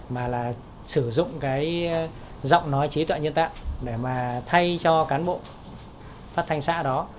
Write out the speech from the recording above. mà sử dụng giọng nói trí tuệ nhân tạo để thay cho cán bộ phát thanh xã đó